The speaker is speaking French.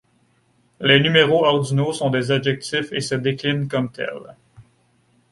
Les numéraux ordinaux sont des adjectifs et se déclinent comme tels.